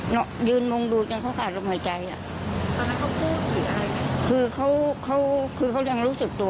ไม่มีไซอย่างมาเทพง